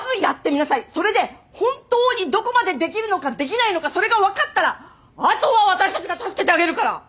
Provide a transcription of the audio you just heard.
それで本当にどこまでできるのかできないのかそれが分かったらあとは私たちが助けてあげるから！